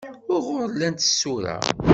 Uɣur i llant tsura?